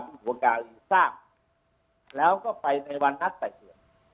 พิธวกาลีสร้างแล้วก็ไปในวันนัดไต่สวน